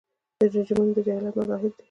دا رژیمونه د جاهلیت مظاهر دي.